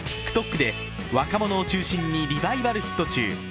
ＴｉｋＴｏｋで若者を中心にリバイバル中。